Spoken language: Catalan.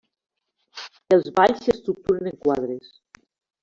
Els balls s'estructuren en quadres.